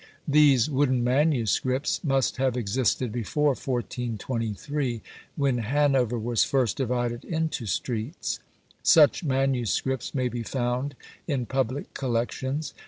These wooden manuscripts must have existed before 1423, when Hanover was first divided into streets. Such manuscripts may be found in public collections.